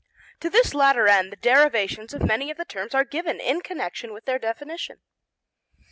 To this latter end the derivations of many of the terms are given in connection with their definition.